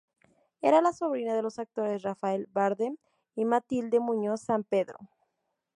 Era la sobrina de los actores Rafael Bardem y Matilde Muñoz Sampedro.